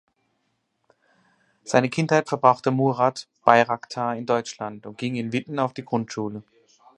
Seine Kindheit verbrachte Murad Bayraktar in Deutschland und ging in Witten auf die Grundschule.